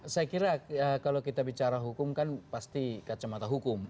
saya kira kalau kita bicara hukum kan pasti kacamata hukum